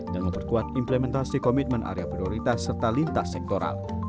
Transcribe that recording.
dan memperkuat implementasi komitmen area prioritas serta lintas sektoral